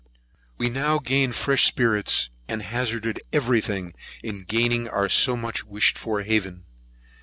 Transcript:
We now gained fresh spirits, and hazarded every thing in gaining our so much wished for haven.